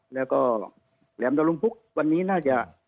แล้วก็แหลมตะลุมพุกวันนี้น่าจะ